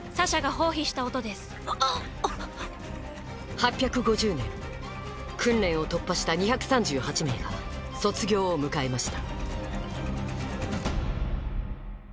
８５０年訓練を突破した２３８名が卒業を迎えました